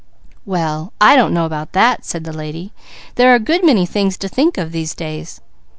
"Well I don't know about that," said the lady. "There are a good many things to think of these days."